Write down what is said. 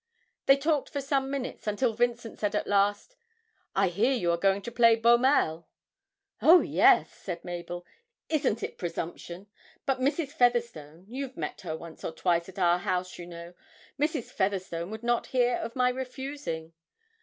They talked for some minutes, until Vincent said at last, 'I hear you are going to play Beaumelle?' 'Oh, yes,' said Mabel. 'Isn't it presumption? But Mrs. Featherstone (you've met her once or twice at our house, you know) Mrs. Featherstone would not hear of my refusing.